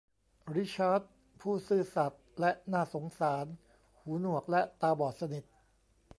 ริชาร์ดผู้ซื่อสัตย์และน่าสงสารหูหนวกและตาบอดสนิท